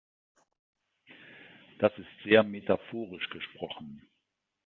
Das ist sehr metaphorisch gesprochen.